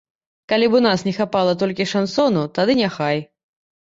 Калі б у нас не хапала толькі шансону, тады няхай.